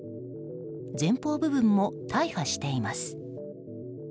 前方部分も大破しています。